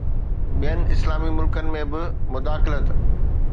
ٻين اسلامي ملڪن ۾ به مداخلت